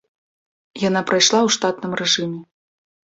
Яна прайшла ў штатным рэжыме.